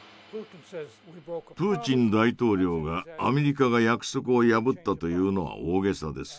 プーチン大統領がアメリカが約束を破ったというのは大げさです。